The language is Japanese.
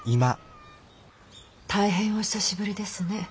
大変お久しぶりですね。